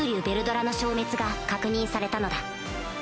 ヴェルドラの消滅が確認されたのだ